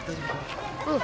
うん。